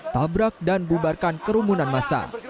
tabrak dan bubarkan kerumunan masa